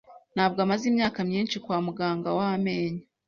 Ntabwo amaze imyaka myinshi kwa muganga w amenyo.